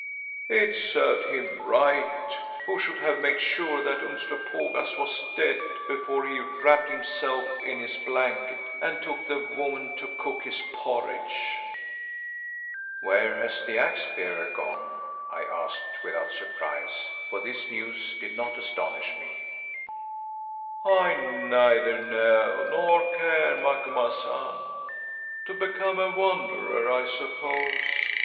It served him right who should have made sure that Umslopogaas was dead before he wrapped himself in his blanket and took the woman to cook his porridge." "Where has the Axe bearer gone?" I asked without surprise, for this news did not astonish me. "I neither know nor care, Macumazahn. To become a wanderer, I suppose.